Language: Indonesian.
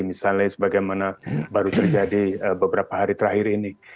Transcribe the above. misalnya sebagaimana baru terjadi beberapa hari terakhir ini